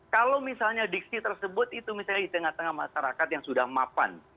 kalau misalnya diksi tersebut itu misalnya di tengah tengah masyarakat yang sudah mapan